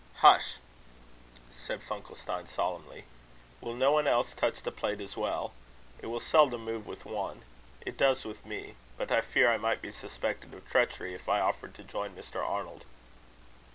"Hush!" said Funkelstein, solemnly. "Will no one else touch the plate, as well? It will seldom move with one. It does with me. But I fear I might be suspected of treachery, if I offered to join Mr. Arnold."